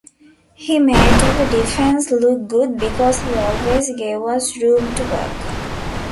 He made our defense look good because he always gave us room to work.